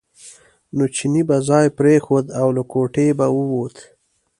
نو چیني به ځای پرېښود او له کوټې به ووت.